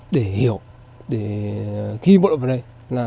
để hiểu để khi bộ đội vào đây